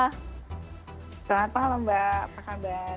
selamat malam mbak apa kabar